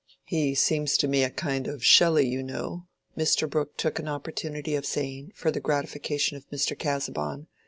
"He seems to me a kind of Shelley, you know," Mr. Brooke took an opportunity of saying, for the gratification of Mr. Casaubon.